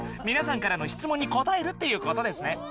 みなさんからのしつもんに答えるっていうことですね。